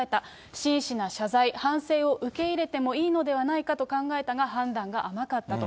真摯な謝罪、反省を受け入れてもいいのではないかと考えたが判断が甘かったと。